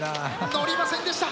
乗りませんでした。